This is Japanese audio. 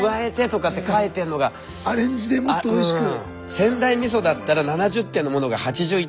仙台みそだったら７０点のものが８１点になりますと。